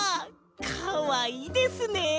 かわいいですねえ。